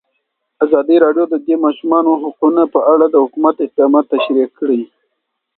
ازادي راډیو د د ماشومانو حقونه په اړه د حکومت اقدامات تشریح کړي.